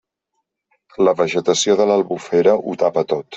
La vegetació de l'Albufera ho tapa tot.